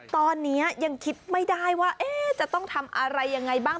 ตอนนี้ยังคิดไม่ได้ว่าจะต้องทำอะไรยังไงบ้าง